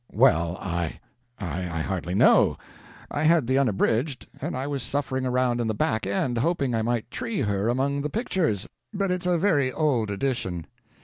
"Well, I I hardly know. I had the Unabridged, and I was ciphering around in the back end, hoping I might tree her among the pictures. But it's a very old edition."